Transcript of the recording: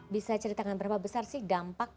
banda jumlah dan ter chophearted